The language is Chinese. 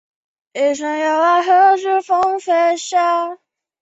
它是仅此于康卡斯特的美国第二大有线电视运营商。